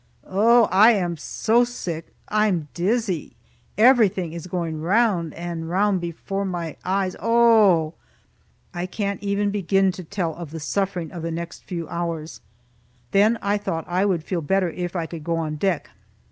Oh, I am so sick! I'm dizzy; everything is going round and round before my eyes Oh h h! I can't even begin to tell of the suffering of the next few hours. Then I thought I would feel better if I could go on deck.